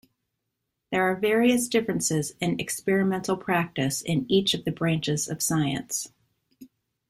There are various differences in experimental practice in each of the branches of science.